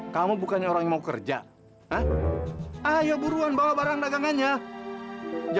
sampai jumpa di video selanjutnya